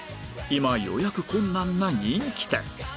今予約困難な人気店